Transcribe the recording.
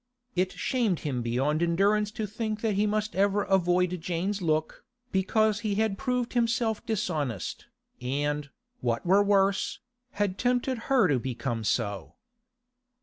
It shamed him beyond endurance to think that he must ever avoid Jane's look, because he had proved himself dishonest, and, what were worse, had tempted her to become so.